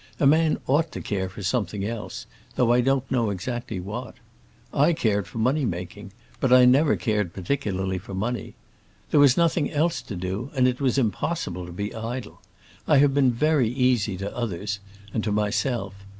A man ought to care for something else, though I don't know exactly what. I cared for money making, but I never cared particularly for the money. There was nothing else to do, and it was impossible to be idle. I have been very easy to others, and to myself.